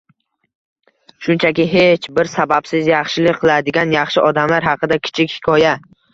Shunchaki, hech bir sababsiz yaxshilik qiladigan yaxshi odamlar haqida kichik hikoya